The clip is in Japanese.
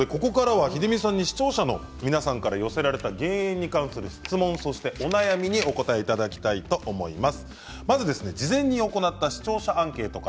ここからは秀美さんに視聴者の皆さんから寄せられた減塩に関する質問そしてお悩みにお答えしていただきたいと思います。